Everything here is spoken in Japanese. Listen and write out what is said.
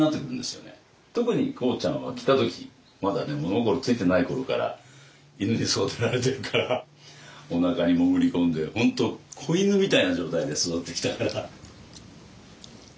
特にコウちゃんは来た時まだね物心ついてない頃から犬に育てられてるからおなかに潜り込んで本当子犬みたいな状態で育ってきたから。